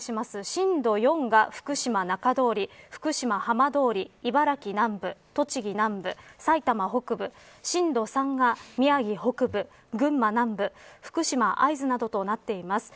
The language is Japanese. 震度４が福島中通り、福島浜通り茨城南部、栃木南部、埼玉北部震度３が宮城北部群馬南部、福島会津などとなっています。